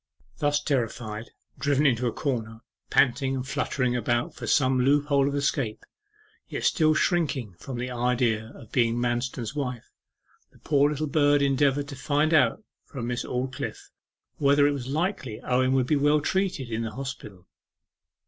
Thus terrified, driven into a corner, panting and fluttering about for some loophole of escape, yet still shrinking from the idea of being Manston's wife, the poor little bird endeavoured to find out from Miss Aldclyffe whether it was likely Owen would be well treated in the hospital.